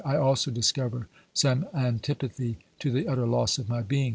I also discover some antipathy to the utter loss of my being.